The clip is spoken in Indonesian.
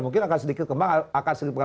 mungkin akan sedikit kembang